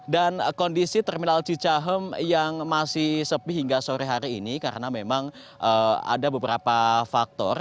kondisi terminal cicahem yang masih sepi hingga sore hari ini karena memang ada beberapa faktor